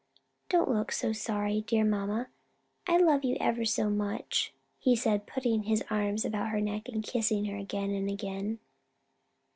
"Don't look so sorry, dear mamma: I love you ever so much," he said, putting his arms about her neck and kissing her again and again.